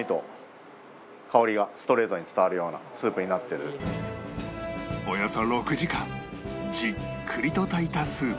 もうホントにおよそ６時間じっくりと炊いたスープ